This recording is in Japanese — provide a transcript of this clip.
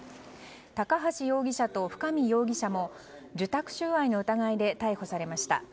高橋容疑者と深見容疑者も受託収賄の疑いで逮捕されました。